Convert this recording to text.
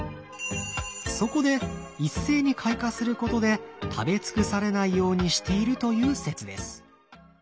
そこで一斉に開花することで食べ尽くされないようにしているという説です。